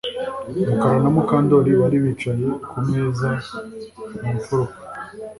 Mukara na Mukandoli bari bicaye kumeza mu mfuruka